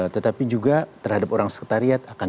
tetapi juga terhadap orang sekretariat akan